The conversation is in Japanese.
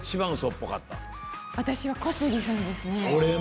私は小杉さんですね。